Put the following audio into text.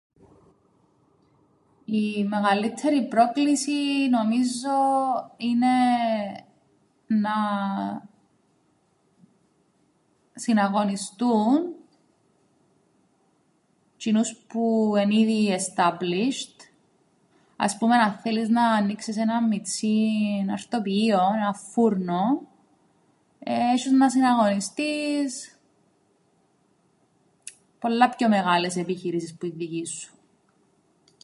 Η μεγαλλύττερη πρόκληση νομίζω είναι να συναγωνιστούν τζ̆είνους που εν' ήδη established, ας πούμεν αν θέλεις να αννοίξεις έναν μιτσήν αρτοποιείον, έναν φούρνον εεε έσ̆εις να συναγωνιστείς πολλά πιο μεγάλες επιχειρήσεις που την δικήν σου.